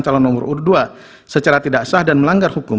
calon nomor urut dua secara tidak sah dan melanggar hukum